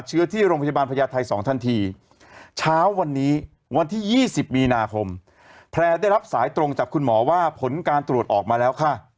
เช้าวันนี้วันที่๒๐มีนาคมแพรได้รับสายตรงจากคุณหมอว่าผลการตรวจออกมาแล้วค่ะ